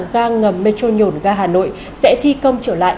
ga ngầm metro nhổn ga hà nội sẽ thi công trở lại